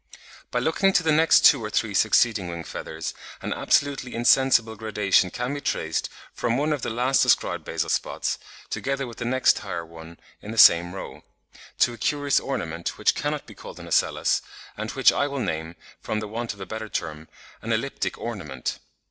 By looking to the next two or three succeeding wing feathers, an absolutely insensible gradation can be traced from one of the last described basal spots, together with the next higher one in the same row, to a curious ornament, which cannot be called an ocellus, and which I will name, from the want of a better term, an "elliptic ornament."